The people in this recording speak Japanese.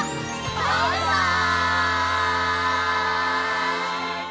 バイバイ！